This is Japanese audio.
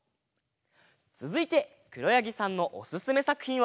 つづいてくろやぎさんのおすすめさくひんは。